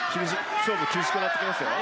勝負厳しくなってきますよ。